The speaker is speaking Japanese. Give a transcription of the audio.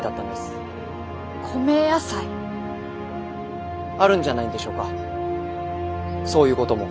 米野菜？あるんじゃないんでしょうかそういうことも。